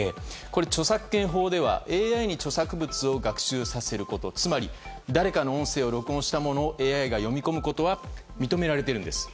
著作権法では、ＡＩに著作物を学習させることつまり、誰かの音声をＡＩが読み込むことは認められているんです。